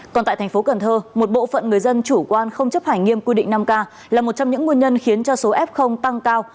còn tại thành phố cần thơ một bộ phận người dân chủ quan không chấp hành nghiêm quy định năm k là một trong những nguyên nhân khiến cho số f tăng cao